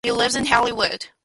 She lives in Hollywood.